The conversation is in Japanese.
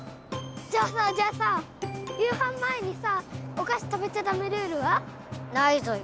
じゃあさじゃあさ夕飯前にさお菓子食べちゃ駄目ルールは？ないぞよ。